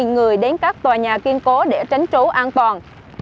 và bốn người đến các tòa nhà kiên cố để tránh trú an toàn